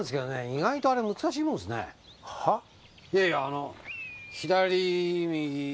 いやいやあの左右。